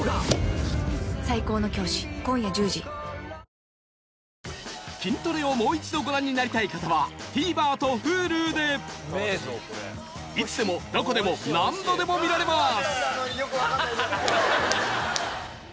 この後『キントレ』をもう一度ご覧になりたい方はＴＶｅｒとＨｕｌｕでいつでもどこでも何度でも見られます